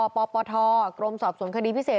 ปปทกรมสอบสวนคดีพิเศษ